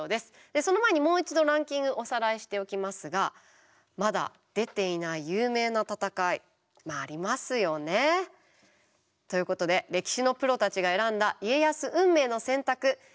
その前にもう一度ランキングおさらいしておきますがまだ出ていない有名な戦いまあありますよねえ。ということで歴史のプロたちが選んだ家康運命の選択１位は？